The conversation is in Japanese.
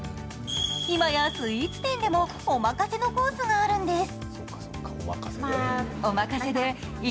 今やスイーツ店でも、おまかせのコースがあるんです。